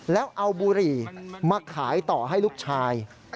แล้วเอาบุหรี่มาขายต่อให้ลูกชาย